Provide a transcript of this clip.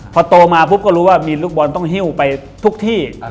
พอโตมาปุ๊บก็รู้ว่ามีลูกบอลต้องหิ้วไปทุกที่